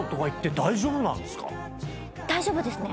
大丈夫ですね。